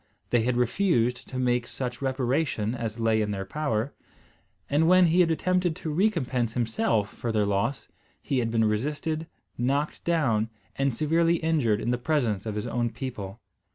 They had refused to make such reparation as lay in their power; and, when he had attempted to recompense himself for their loss, he had been resisted, knocked down, and severely injured in the presence of his own people.